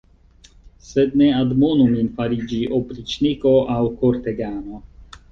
Sed ne admonu min fariĝi opriĉniko aŭ kortegano.